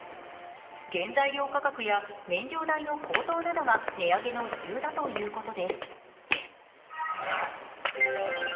原材料価格や燃料代の高騰などが値上げの理由だということです。